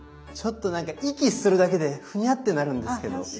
ちょっと息するだけでふにゃってなるんですけど。